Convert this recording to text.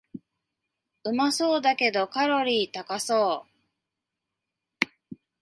うまそうだけどカロリー高そう